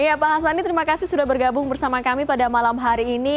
iya pak hasani terima kasih sudah bergabung bersama kami pada malam hari ini